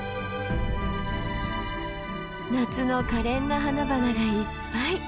夏のかれんな花々がいっぱい！